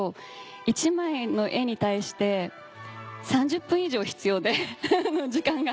１枚の絵に対して３０分以上必要で時間が。